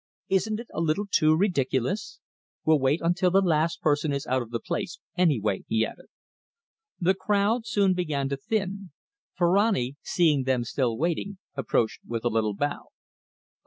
Isn't it a little too ridiculous! We'll wait until the last person is out of the place, anyway," he added. The crowd soon began to thin. Ferrani, seeing them still waiting, approached with a little bow.